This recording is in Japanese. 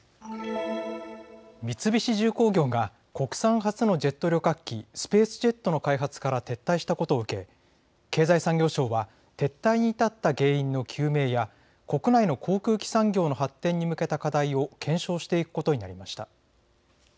三菱重工業が国産初のジェット旅客機、スペースジェットの開発から撤退したことを受け経済産業省は撤退に至った原因の究明や国内の航空機産業の発展に向けた課題を検証していくことになりました。